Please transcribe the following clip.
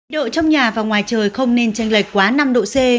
độ trong nhà và ngoài trời không nên tranh lệch quá năm độ c